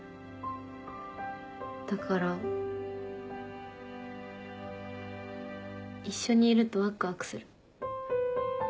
だから一緒にいるとワクワクする。